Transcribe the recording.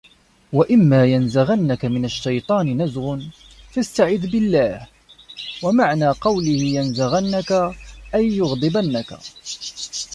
وَإِمَّا يَنْزَغَنَّكَ مِنْ الشَّيْطَانِ نَزْغٌ فَاسْتَعِذْ بِاَللَّهِ وَمَعْنَى قَوْلِهِ يَنْزَغَنَّكَ أَيْ يُغْضِبَنَّكَ